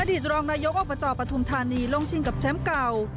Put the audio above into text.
ตรองนายกอบจปฐุมธานีลงชิงกับแชมป์เก่า